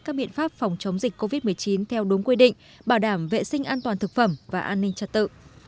các biện pháp phòng chống dịch covid một mươi chín theo đúng quy định bảo đảm vệ sinh an toàn thực phẩm và an ninh trật tự